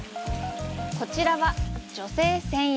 こちらは女性専用。